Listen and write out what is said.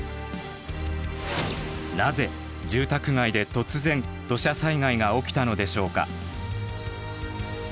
なぜ住宅街で突然土砂災害が起きたのでしょうか？